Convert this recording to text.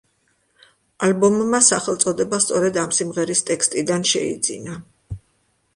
ალბომმა სახელწოდება სწორედ ამ სიმღერის ტექსტიდან შეიძინა.